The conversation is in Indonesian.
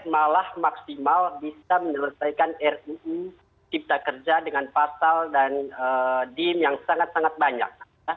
malah maksimal bisa menyelesaikan ruu cipta kerja dengan pasal dan dim yang sangat sangat banyak